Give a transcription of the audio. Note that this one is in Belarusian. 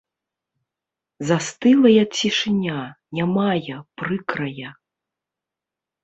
Застылая цішыня, нямая, прыкрая.